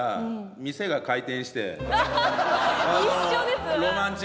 一緒です。